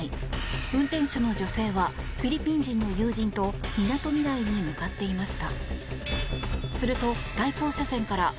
運転手の女性はフィリピン人の友人とみなとみらいに向かっていました。